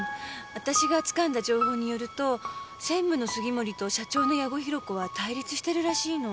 私がつかんだ情報によると専務の杉森と社長の矢後弘子は対立してるらしいの。